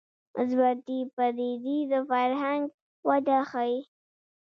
مثبتې پدیدې د فرهنګ وده ښيي